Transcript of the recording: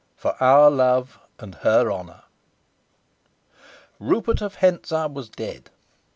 FOR OUR LOVE AND HER HONOR RUPERT of Hentzau was dead!